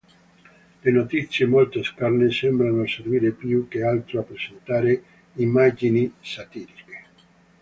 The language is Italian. Le notizie, molto scarne, sembrano servire più che altro a presentare immagini satiriche.